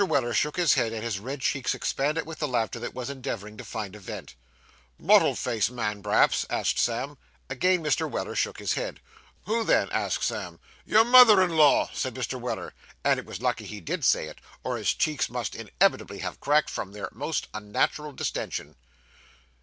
Weller shook his head, and his red cheeks expanded with the laughter that was endeavouring to find a vent. 'Mottled faced man, p'raps?' asked Sam. Again Mr. Weller shook his head. 'Who then?'asked Sam. 'Your mother in law,' said Mr. Weller; and it was lucky he did say it, or his cheeks must inevitably have cracked, from their most unnatural distension.